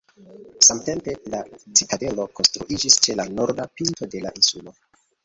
Samtempe la citadelo konstruiĝis ĉe la norda pinto de la insulo.